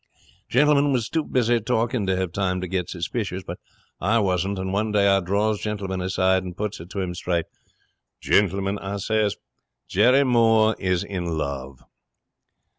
'Gentleman was too busy talking to have time to get suspicious, but I wasn't; and one day I draws Gentleman aside and puts it to him straight. "Gentleman," I says, "Jerry Moore is in love!"